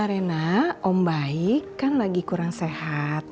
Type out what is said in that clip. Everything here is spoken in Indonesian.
arena om baik kan lagi kurang sehat